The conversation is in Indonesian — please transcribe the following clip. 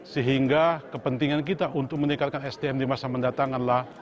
sehingga kepentingan kita untuk meningkatkan sdm di masa mendatang adalah